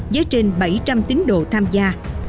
với trên bảy trăm linh tín đồ tham gia